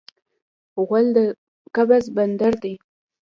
غول د قبض بندر دی.